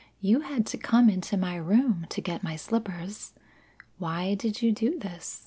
You had to come into my room to get my slippers. Why did you do this?